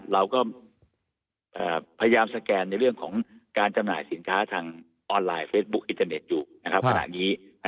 เราก็พยายามสแกนในเรื่องของการจำหน่ายสินค้าทางออนไลน์เฟซบุ๊คอินเทอร์เน็ตอยู่นะครับขณะนี้